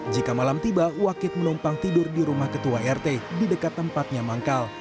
jika malam tiba wakit menumpang tidur di rumah ketua rt di dekat tempatnya manggal